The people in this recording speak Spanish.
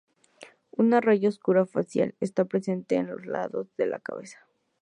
Una raya oscura facial está presente en los lados de la cabeza.